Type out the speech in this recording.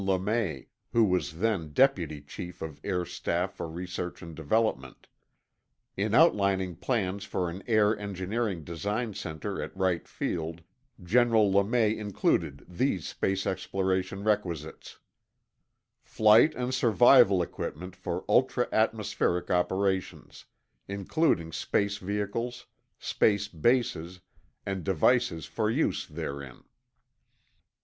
LeMay, who was then Deputy Chief of Air Staff for Research and Development. In outlining plans for an Air Engineering Design Center at Wright Field, General LeMay included these space exploration requisites: "Flight and survival equipment for ultra atmospheric operations, including space vehicles, space bases, and devices for use therein."